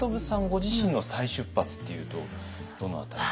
ご自身の再出発っていうとどの辺り？